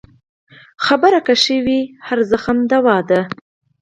خبره که ښه وي، هر زخم دوا ده.